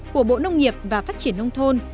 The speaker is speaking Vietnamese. của bộ nông nghiệp và phát triển nông thôn